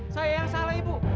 saya yang salah ibu